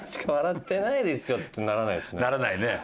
ならないね。